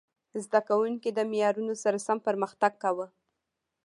زده کوونکي د معیارونو سره سم پرمختګ کاوه.